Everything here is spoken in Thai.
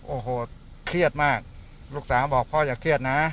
โอ้โหเครียดมากลูกสาวบอกพ่ออย่าเครียดนะ